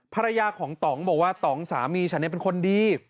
ภรรยาของต่องบอกว่าต่องสามีฉันเป็นคนดี